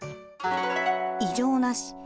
異常なし！